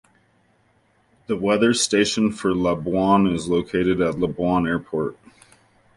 The weather station for Labuan is located at Labuan Airport.